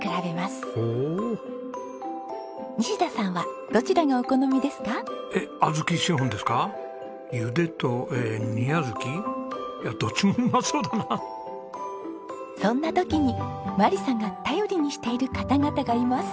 そんな時に眞理さんが頼りにしている方々がいます。